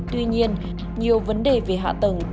tuy nhiên nhiều vấn đề về hạ tầng